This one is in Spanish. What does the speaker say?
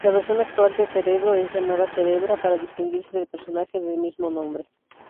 La versión actual de Cerebro es llamada Cerebra, para distinguirse del personaje del mismo nombre.